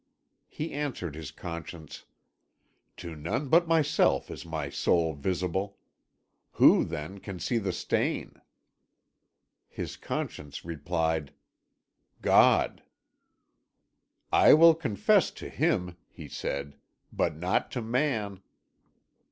He answered his conscience: "To none but myself is my soul visible. Who, then, can see the stain?" His conscience replied: "God!" "I will confess to Him." he said, "but not to man."